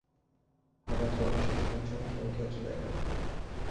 হঠাৎ রমেশ এক সময় চমকিয়া উঠিয়া চলিয়া গেল।